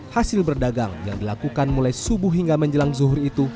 hasil berdagang yang dilakukan mulai subuh hingga menjelang zuhur itu